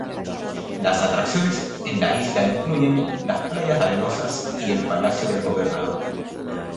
Las atracciones en la isla incluyen las playas arenosas y el Palacio del Gobernador.